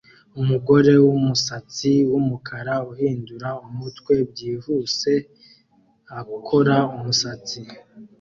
Umugore wumusatsi wumukara uhindura umutwe byihuse akora umusatsi